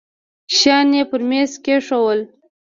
شيان يې پر ميز کښېښوول.